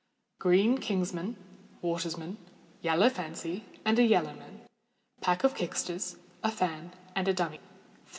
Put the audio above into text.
_ Green king's man, water's man, yellow fancy, and yellow man; pair of kicksters, a fan, and a dummie.